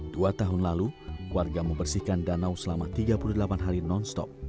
dua tahun lalu warga membersihkan danau selama tiga puluh delapan hari non stop